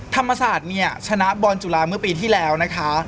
ธรรมศาสตร์เนี่ยชนะบอลจุฬาเมื่อปีที่แล้วนะคะ